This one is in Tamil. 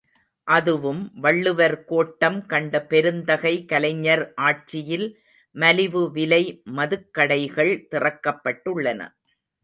அதுவும் வள்ளுவர் கோட்டம் கண்ட பெருந்தகை கலைஞர் ஆட்சியில் மலிவு விலை மதுக்கடைகள் திறக்கப்பட்டுள்ளன.